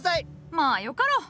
まあよかろう。